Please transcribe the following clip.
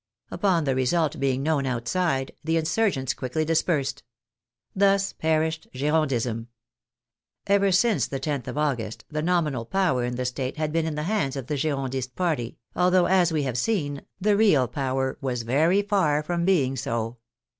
Upon the result being known outside, the insur gents quickly dispersed. Thus perished Girondism. Ever since the loth of August, the nominal power in the State had been in the hands of the Girondist party, although, as we have seen, the real power was very far from being so.